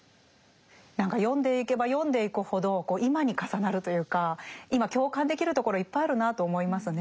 何か読んでいけば読んでいくほど今に重なるというか今共感できるところいっぱいあるなと思いますね。